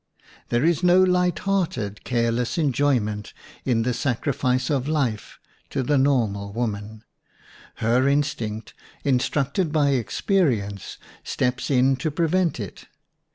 There is no light hearted, careless enjoyment in the sacrifice of life to the normal woman ; her instinct, instructed by experience, steps in to prevent it.